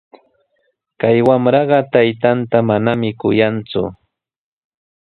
Kay wamraqa taytanta manami kuyanku.